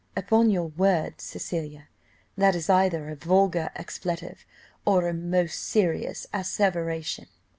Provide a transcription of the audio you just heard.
"Upon your word, Cecilia! that is either a vulgar expletive or a most serious asseveration."